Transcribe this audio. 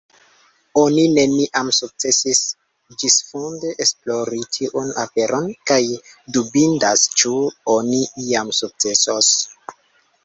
Oni neniam sukcesis ĝisfunde esplori tiun aferon, kaj dubindas ĉu oni iam sukcesos.